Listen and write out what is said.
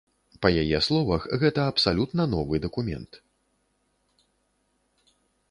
Па яе словах, гэта абсалютна новы дакумент.